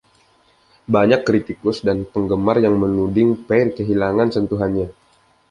Banyak kritikus dan penggemar yang menuding Phair kehilangan sentuhannya.